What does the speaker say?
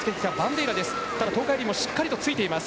東海林もしっかりついています。